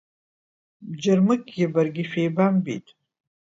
Бџьармыкьгьы баргьы шәеибамбеит!